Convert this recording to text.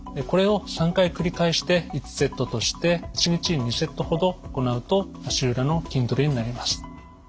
これを３回繰り返して１セットとして１日に２セットほど行うと足裏の筋トレになります。